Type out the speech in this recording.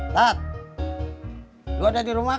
tetap gue ada di rumah